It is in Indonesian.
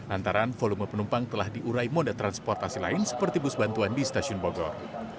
antara volume penumpang telah diurai moda transportasi lain seperti bus bantuan di stasiun bogor